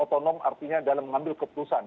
yang paling otonom artinya dalam mengambil keputusan